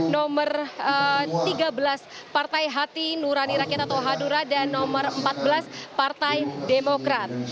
nomor tiga belas partai hati nurani rakyat atau hadura dan nomor empat belas partai demokrat